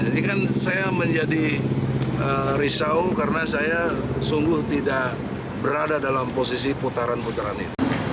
ini kan saya menjadi risau karena saya sungguh tidak berada dalam posisi putaran putaran itu